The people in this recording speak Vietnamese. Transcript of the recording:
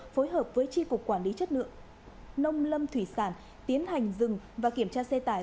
phối hợp với tri cục quản lý chất lượng nông lâm thủy sản tiến hành dừng và kiểm tra xe tải